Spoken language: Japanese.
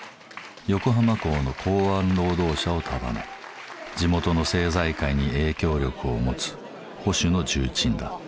横浜港の港湾労働者を束ね地元の政財界に影響力を持つ保守の重鎮だ。